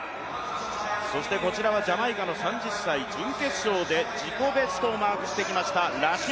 そしてこちらはジャマイカの３０歳、準決勝で自己ベストをマークしてきました、